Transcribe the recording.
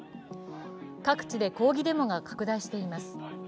各地で抗議デモが拡大しています。